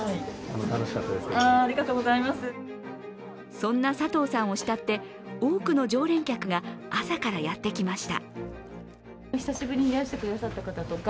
そんな佐藤さんを慕って多くの常連客が朝からやってきました。